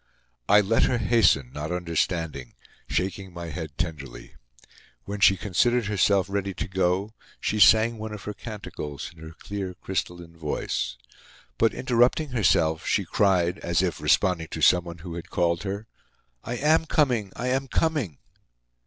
I let her hasten, not understanding, shaking my head tenderly. When she considered herself ready to go, she sang one of her canticles in her clear crystalline voice. But, interrupting herself, she cried, as if responding to someone who had called her: "I am coming, I am coming!"